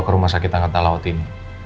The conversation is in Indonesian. ke rumah sakit angkatan laut ini